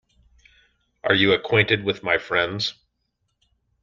Are you acquainted with my friends?